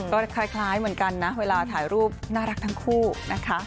ก็คล้ายเหมือนกันนะเวลาถ่ายรูปน่ารักทั้งคู่นะคะ